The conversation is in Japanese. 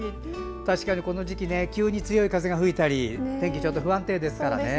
確かにこの時期、急に強い風が吹いたり、天気がちょっと不安定ですからね。